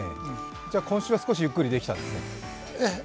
じゃ今週は少しゆっくりできたんですね？